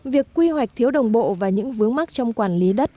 việc quy hoạch thiếu đồng bộ và những vướng mắt trong quản lý đất